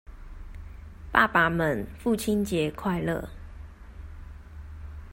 爸爸們父親節快樂！